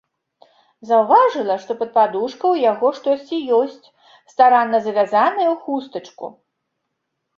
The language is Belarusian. Заўважыла, што пад падушкай у яго штосьці ёсць, старанна завязанае ў хустачку.